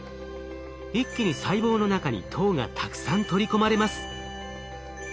一気に細胞の中に糖がたくさん取り込まれます。